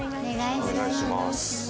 お願いします。